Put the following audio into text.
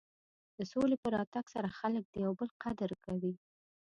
د سولې په راتګ سره خلک د یو بل قدر کوي.